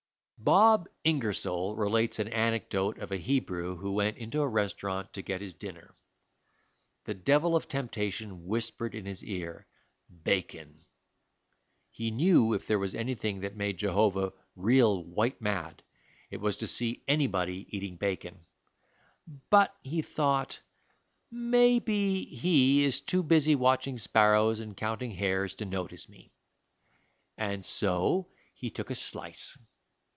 Bob Ingersoll relates an anecdote of a Hebrew who went into a restaurant to get his dinner. The devil of temptation whispered in his ear, "Bacon." He knew if there was anything that made Jehovah real white mad, it was to see anybody eating bacon; but he thought, "Maybe He is too busy watching sparrows and counting hairs to notice me," and so he took a slice.